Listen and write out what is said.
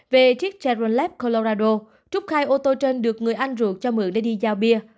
về trích cheron lab colorado trúc khai ô tô trên được người anh ruột cho mượn để đi giao bia